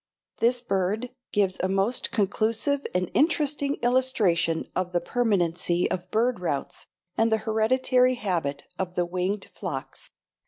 This bird gives a most conclusive and interesting illustration of the permanency of bird routes and the "hereditary habit" of the winged flocks.